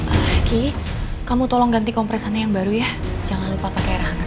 lagi kamu tolong ganti kompresor yang baru ya jangan lupa pakai rangan